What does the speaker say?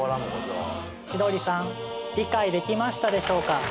千鳥さん理解できましたでしょうか？